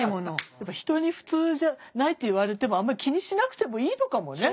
やっぱ人に「普通じゃない」って言われてもあんまり気にしなくてもいいのかもね。